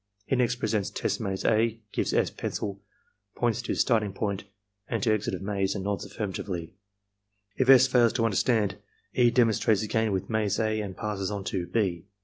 He next presents test maze A, gives S. pencil, points to starting EXAMINER'S GUIDE 123 point and to exit of maze, and nods affirmatively. If S. fails to understand, E. demonstrates again with maze A and passes on to (6).